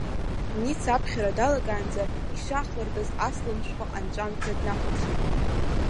Ница аԥхьара далагаанӡа ишаахлыртлаз асалам шәҟәы анҵәамҭа днахәаԥшит.